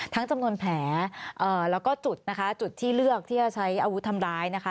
จำนวนแผลแล้วก็จุดนะคะจุดที่เลือกที่จะใช้อาวุธทำร้ายนะคะ